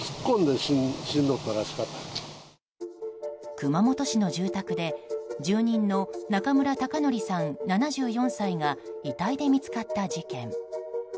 熊本市の住宅で住人の中村尊徳さん、７４歳が遺体で見つかった事件。